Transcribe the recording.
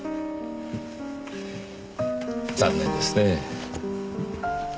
残念ですね。